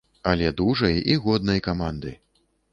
Але дужай і годнай каманды!